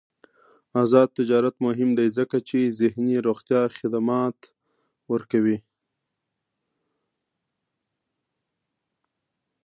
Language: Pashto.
آزاد تجارت مهم دی ځکه چې ذهني روغتیا خدمات ورکوي.